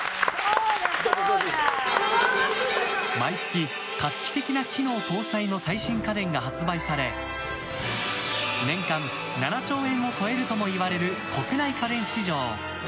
毎月、画期的な機能搭載の最新家電が発売され年間７兆円を超えるともいわれる国内家電市場。